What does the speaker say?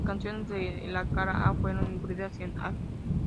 Las canciones de la cara A, fueron incluidas en "Ha!